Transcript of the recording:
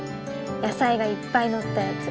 野菜がいっぱい乗ったやつ。